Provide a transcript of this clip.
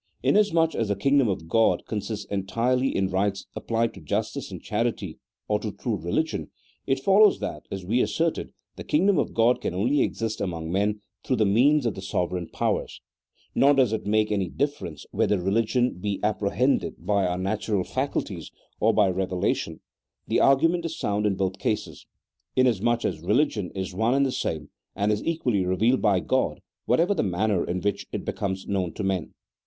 Inasmuch as the kingdom of God consists entirely in rights applied to justice and charity or to true religion, it follows that (as we asserted) the kingdom of God can only exist among men through the means of the sovereign powers ; nor does it make any difference whether religion be appre hended by our natural faculties or by revelation : the argu ment is sound in both cases, inasmuch as religion is one and the same, and is equally revealed by God, whatever be the manner in which it becomes known to men.